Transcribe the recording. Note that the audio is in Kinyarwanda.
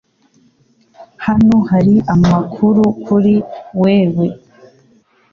Hano hari amakuru kuri wewe .